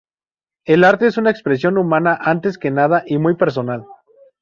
El arte es una expresión humana, antes que nada, y muy personal.